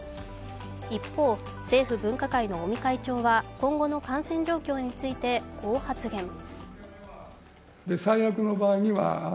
一方、政府分科会の尾身会長は、今後の感染状況についてこう発言。